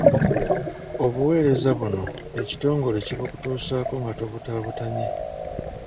Obuweereza buno ekitongole kibukutuusaako nga tobutaabutanye.